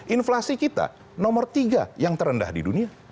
inflasi kita nomor tiga yang terendah di dunia